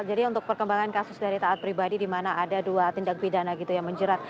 jadi untuk perkembangan kasus dari taat pribadi di mana ada dua tindak pidana yang menjerat